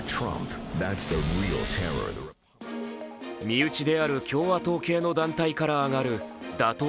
身内である共和党系の団体から上がる打倒